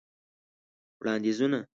وړاندیزونه :